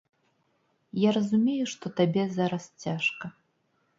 Я разумею, што табе зараз цяжка.